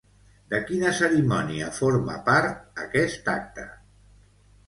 De quina cerimònia forma part, aquest acte?